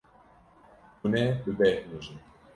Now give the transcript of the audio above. Hûn ê bibêhnijin.